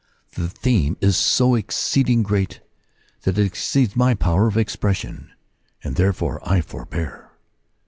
The theme is so exceeding great that it exceeds my power of expression, and therefore I forbear.